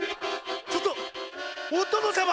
ちょっとおとのさま！